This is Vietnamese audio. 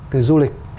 từ du lịch